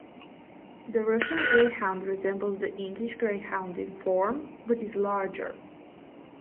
The Russian Greyhound resembles the English greyhound in form, but is larger.